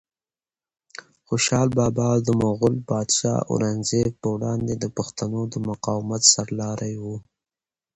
خوشحال بابا د مغول پادشاه اورنګزیب په وړاندې د پښتنو د مقاومت سرلاری و.